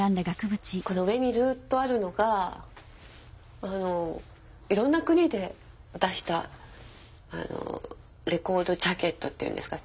この上にずっとあるのがいろんな国で出したレコードジャケットっていうんですか？